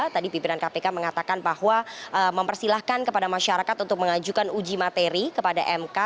tadi pimpinan kpk mengatakan bahwa mempersilahkan kepada masyarakat untuk mengajukan uji materi kepada mk